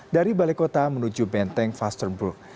dari balai kota menuju benteng fasterbrook